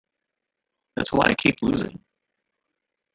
That's why I keep losing.